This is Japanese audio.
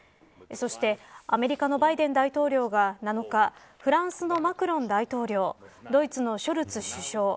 そしてアメリカのバイデン大統領が７日フランスのマクロン大統領ドイツのショルツ首相